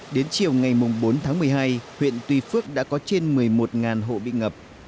đến chiều ngày bốn tháng một mươi hai huyện tuy phước đã có trên một mươi một hộ bị ngập